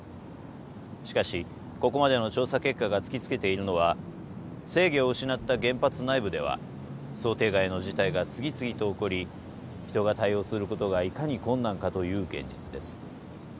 しかしここまでの調査結果が突きつけているのは制御を失った原発内部では想定外の事態が次々と起こり人が対応することがいかに困難かという現実です。